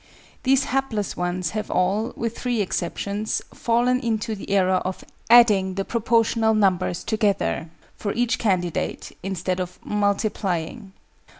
These hapless ones have all (with three exceptions) fallen into the error of adding the proportional numbers together, for each candidate, instead of multiplying.